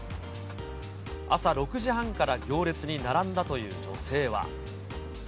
朝６時半から行列に並んだという女性は。